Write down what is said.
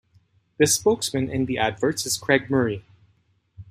The spokesman in the adverts is Craig Murray.